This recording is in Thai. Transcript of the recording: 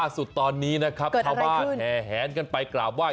สุดตอนนี้นะครับท่าวบ้านแห่งกันไปกราบว่า